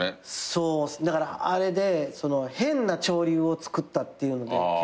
そうだからあれで変な潮流をつくったっていうので。